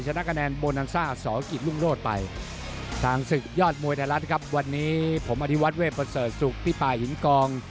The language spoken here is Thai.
ชนะคะแนนโบนันซ่าสกิจรุ่งโรศไปทางศึกยอดมวยไทยรัฐครับวันนี้ผมอธิวัฒนเวทประเสริฐศุกร์พี่ป่าหินกอง